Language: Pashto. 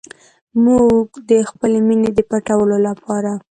موږ د خپلې مینې د پټولو لپاره.